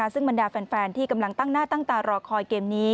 ซึ่งบรรดาแฟนที่กำลังตั้งหน้าตั้งตารอคอยเกมนี้